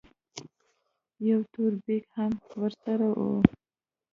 يو تور بېګ هم ورسره و.